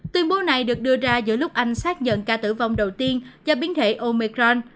tuyên bố này được đưa ra giữa lúc anh xác nhận ca tử vong đầu tiên do biến thể omecran